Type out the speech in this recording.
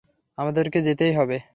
আমাদেরকে যেতেই হবে।